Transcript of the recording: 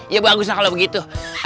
ya bagus lah kalau begitu